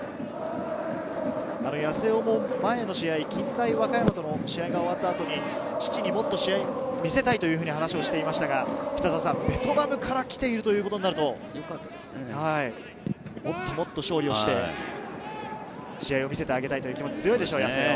八瀬尾も前の試合、近大和歌山との試合が終わったあとに父にもっと試合を見せたいと話をしていましたが、ベトナムから来ているということになると、もっと勝利をして、試合を見せてあげたいという気持ちは強いでしょう。